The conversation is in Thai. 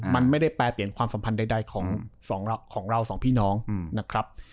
มันไม่ได้แปรเปลี่ยนความสัมพันธ์ใดของเราสองพี่น้องนะครับ